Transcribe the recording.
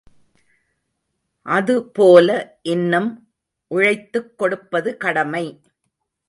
அதுபோல இன்னும் உழைத்துக் கொடுப்பது கடமை.